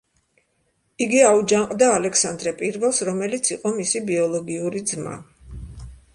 იგი აუჯანყდა ალექსანდრე პირველს, რომელიც იყო მისი ბიოლოგიური ძმა.